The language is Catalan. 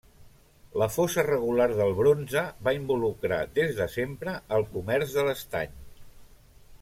La fosa regular del bronze va involucrar, des de sempre, el comerç de l'estany.